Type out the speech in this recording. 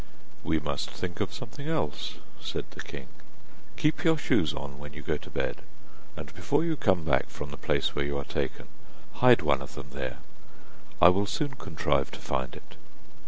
'We must think of something else,' said the king; 'keep your shoes on when you go to bed, and before you come back from the place where you are taken, hide one of them there, I will soon contrive to find it.